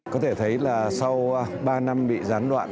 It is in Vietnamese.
có thể thấy là sau ba năm bị gián đoạn